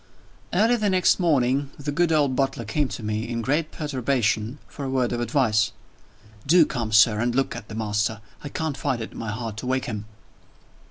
VIII. EARLY the next morning, the good old butler came to me, in great perturbation, for a word of advice. "Do come, sir, and look at the master! I can't find it in my heart to wake him."